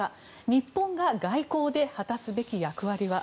日本が外交で果たすべき役割は？